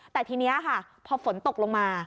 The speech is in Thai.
แต่ทีนี้ค่ะพอฝนตกลงมา